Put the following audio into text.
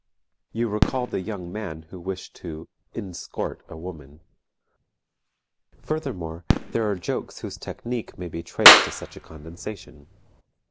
You recall the young man who wished to inscort a woman. Furthermore, there are jokes whose technique may be traced to such a condensation.